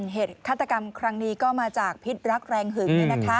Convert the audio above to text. เหตุฆาตกรรมครั้งนี้ก็มาจากพิษรักแรงหึง